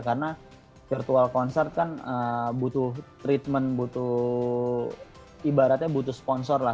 karena virtual concert kan butuh treatment butuh ibaratnya butuh sponsor lah